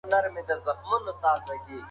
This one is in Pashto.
برابري باور زیاتوي.